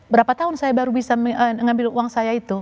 berapa tahun saya baru bisa mengambil uang saya itu